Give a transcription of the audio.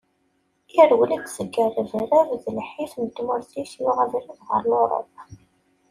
Yerwel-d seg rrebrab d lḥif n tmurt-is yuɣ abrid ɣer Lurup.